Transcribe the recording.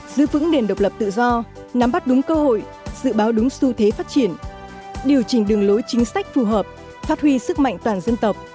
giữ vững nền độc lập tự do nắm bắt đúng cơ hội dự báo đúng xu thế phát triển điều chỉnh đường lối chính sách phù hợp phát huy sức mạnh toàn dân tộc